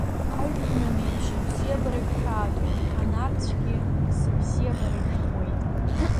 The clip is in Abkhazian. Ажәҩан еиԥш абзиабарагь ҳәаадоуп, анарцәгьы сыбзиабара ишәҭуеит.